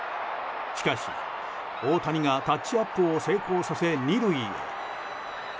しかし、大谷がタッチアップを成功させ２塁へ。